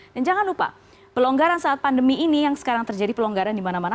dan jangan lupa pelonggaran saat pandemi ini yang sekarang terjadi pelonggaran di mana mana